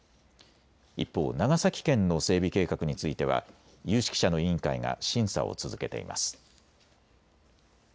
一方、長崎県の整備計画については有識者の委員会が審査を続けています。